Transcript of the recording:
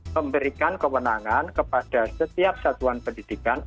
memberikan kewenangan kepada setiap satuan pendidikan